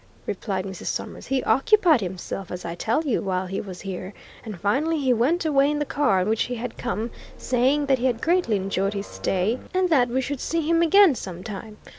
replied Mrs. Summers. "He occupied himself, as I tell you, while he was here, and finally he went away in the car in which he had come, saying that he had greatly enjoyed his stay, and that we should see him again sometime.